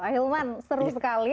ahilman seru sekali